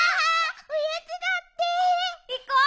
おやつだって！いこう！